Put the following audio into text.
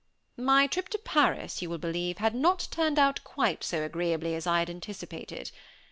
My trip to Paris, you will believe, had not turned out quite so agreeably as I had anticipated.